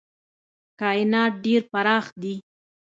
کاینات ډېر پراخ دي.